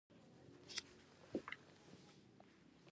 ازادي راډیو د د کانونو استخراج په اړه نړیوالې اړیکې تشریح کړي.